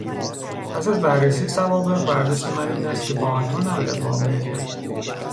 پس از بررسی سوابق، برداشت من این است که با آنها نباید معامله کرد.